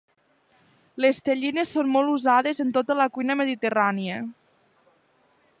Les tellines són molt usades en tota la cuina mediterrània.